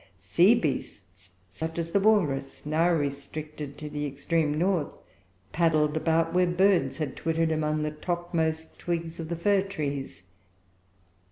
Sea beasts, such as the walrus, now restricted to the extreme north, paddled about where birds had twittered among the topmost twigs of the fir trees.